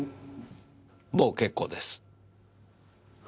もう結構です。